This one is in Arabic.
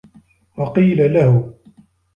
وَقِيلَ لَهُ